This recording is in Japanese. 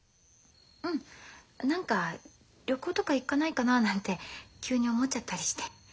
うん何か旅行とか行かないかななんて急に思っちゃったりして。